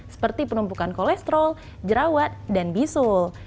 seperti penumpukan kolesterol jerawat dan bisul